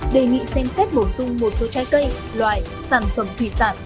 đề nghị xem xét bổ sung một số trái cây loài sản phẩm thủy sản